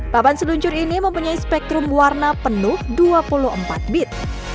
papan seluncur ini mempunyai spektrum warna penuh dua puluh empat bit